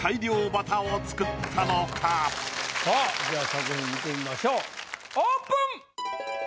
さぁじゃあ作品見てみましょうオープン！